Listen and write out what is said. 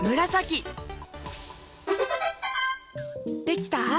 できた？